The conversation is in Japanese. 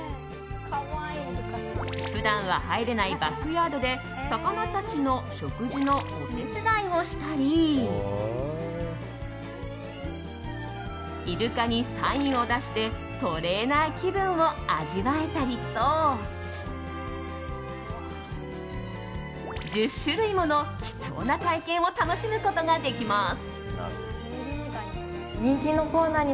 普段は入れないバックヤードで魚たちの食事のお手伝いをしたりイルカにサインを出してトレーナー気分を味わえたりと１０種類もの貴重な体験を楽しむことができます。